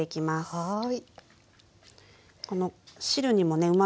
はい。